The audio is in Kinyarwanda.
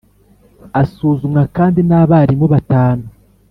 asuzumwa kandi nabarimu batanu.